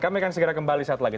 kami akan segera kembali saat lagi